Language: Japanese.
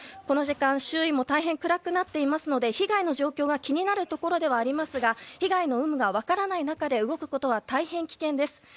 この時間、周囲も大変暗くなっていますので被害の状況が気になるところですが被害の有無が分からない中動くことは大変危険です。